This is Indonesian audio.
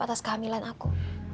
atas kehamilan aku